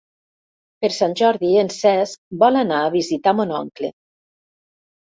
Per Sant Jordi en Cesc vol anar a visitar mon oncle.